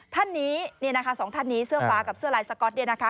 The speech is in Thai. ท่านนี้นะคะสองท่านนี้เสื้อฟ้ากับเสื้อลายสก๊อตเนี่ยนะคะ